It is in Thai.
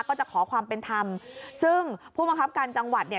ก็จะขอความเป็นธรรมซึ่งผู้บังคับการจังหวัดเนี่ย